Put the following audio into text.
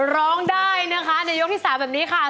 ร้องได้นะคะในยกที่๓แบบนี้ค่ะ